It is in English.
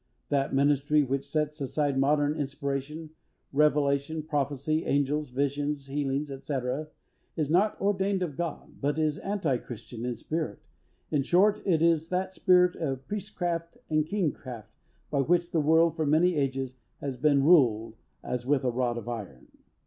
That ministry which sets aside modern inspiration, revelation, prophecy, angels, visions, healings, &c., is not ordained of God; but is Anti Christian in spirit. In short, it is that spirit of priestcraft and kingcraft, by which the world, for many ages, has been ruled as with a rod of iron.